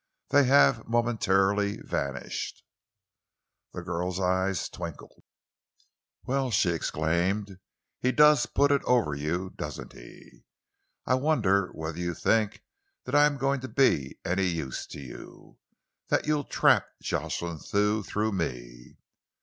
They have momentarily vanished." The girl's eyes twinkled. "Well," she exclaimed, "he does put it over you, doesn't he? I wonder whether you think that I am going to be any use to you that you'll trap Jocelyn Thew through me?"